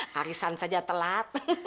harisan saja telat